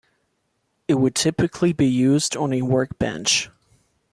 It would typically be used on a workbench.